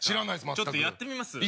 ちょっとやってみます？